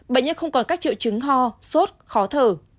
bệnh nhân không còn các triệu chứng ho sốt khó thở